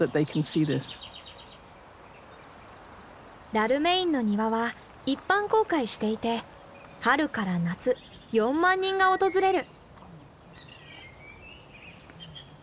ダルメインの庭は一般公開していて春から夏４万人が訪れる。